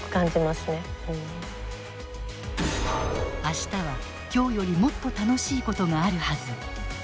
明日は今日よりもっと楽しいことがあるはず。